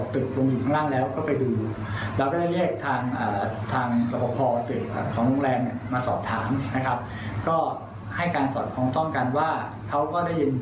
ตกลงมานอนเป็นสภาพที่แน่นิ่งแล้ว